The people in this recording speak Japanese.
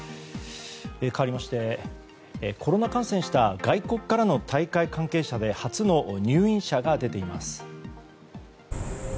かわりましてコロナ感染した外国からの大会関係者で初の入院者が出ています。